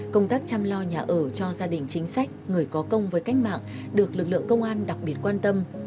công tác chăm lo nhà ở cho gia đình chính sách người có công với cách mạng được lực lượng công an đặc biệt quan tâm